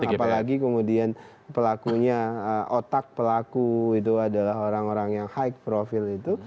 apalagi kemudian pelakunya otak pelaku itu adalah orang orang yang high profile itu